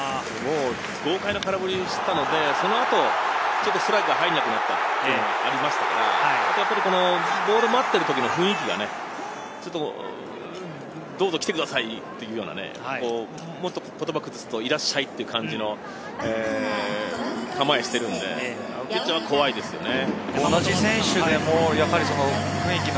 豪快な空振りをしたので、そのあとストライクが入らなくなってっていうのがありましたから、ボールを待っている時の雰囲気がどうぞ来てくださいっていうような言葉を崩すと、いらっしゃいっていう感じの構えをしているので、ピッチャーは怖いですよね。